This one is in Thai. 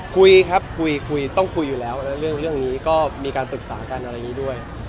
คุยครับคุยคุยต้องคุยอยู่แล้วแล้วเรื่องนี้ก็มีการปรึกษากันอะไรอย่างนี้ด้วย